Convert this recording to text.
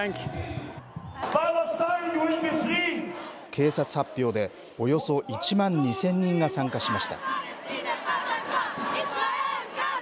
警察発表で、およそ１万２０００人が参加しました。